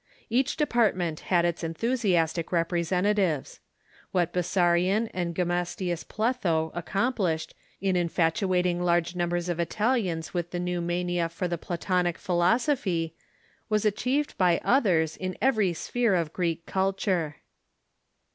Each department had its enthusiastic representatives. "What Bessarion and Gemistius Pletho accomplished, in infat uating large numbers of Italians with the new mania for the Platonic philosophy, was achieved by others in every sphere of Greek culture.